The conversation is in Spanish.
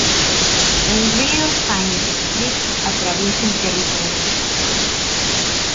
El río Saint-Esprit atraviesa el territorio.